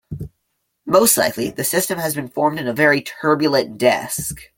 Most likely, the system has been formed in a very turbulent disc.